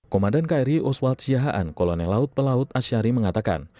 komandan kairi oswald siahaan kolonel laut pelaut asyari mengatakan